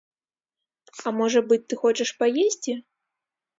А можа быць, ты хочаш паесці?